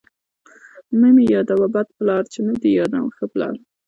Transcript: ـ مه مې يادوه بد پلار، چې نه دې يادوم ښه پلار.